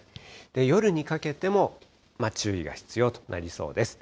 夜にかけても、注意が必要となりそうです。